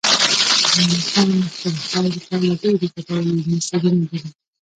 افغانستان د خپلې خاورې په اړه ډېرې ګټورې علمي څېړنې لري.